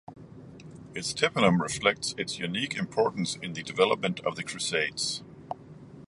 Its tympanum reflects its unique importance in the development of the Crusades.